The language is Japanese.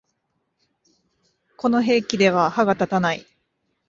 この兵器では歯が立たない